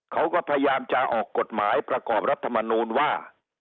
เขาก็พยายามจะออกกฎหมายประกอบรัฐมนูลว่า